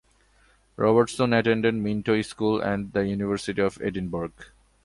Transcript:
Robertson attended Minto School and the University of Edinburgh.